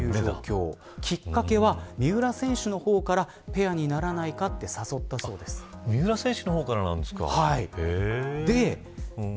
きっかけは三浦選手の方からペアにならないかと三浦選手の方からなんですか。はい。